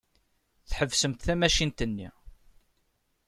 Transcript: Tḥebsemt tamacint-nni.